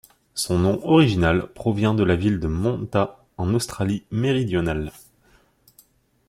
Son nom original provient de la ville de Moonta en Australie-Méridionale.